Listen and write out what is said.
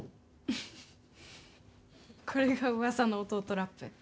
これがうわさの弟ラップ？